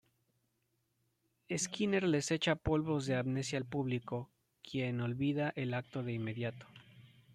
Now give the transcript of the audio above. Skinner les echa polvos de amnesia al público, quien olvida el acto de inmediato.